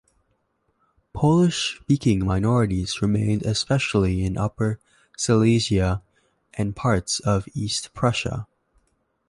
Polish-speaking minorities remained especially in Upper Silesia and parts of East Prussia.